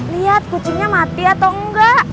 lihat kucingnya mati atau enggak